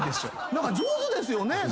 何か上手ですよね。